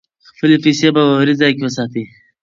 خپلې پیسې په باوري ځای کې وساتئ.